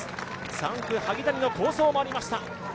３区萩谷の好走もありました。